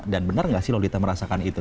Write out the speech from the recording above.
dan benar gak sih lolita merasakan itu